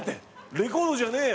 レコードじゃねえよ。